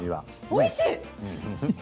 おいしい。